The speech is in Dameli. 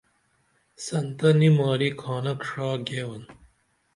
سنتہ نی ماری کھانک ڜا گیون